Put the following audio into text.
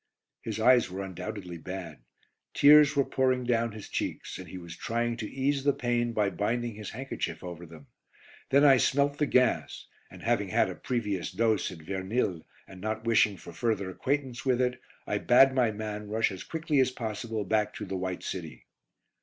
His eyes were undoubtedly bad. Tears were pouring down his cheeks, and he was trying to ease the pain by binding his handkerchief over them. Then I smelt the gas, and having had a previous dose at Vernilles, and not wishing for further acquaintance with it, I bade my man rush as quickly as possible back to "The White City."